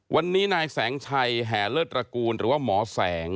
วันนี้นายแสงชัยแห่เลิศตระกูลหรือว่าหมอแสง